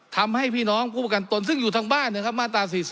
ทำให้พี่น้องผู้ประกันตนซึ่งอยู่ทางบ้านนะครับมาตรา๔๔